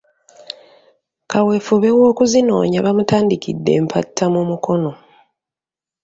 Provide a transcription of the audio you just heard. Kaweefube w'okuzinoonya bamutandikidde Mpatta mu Mukono .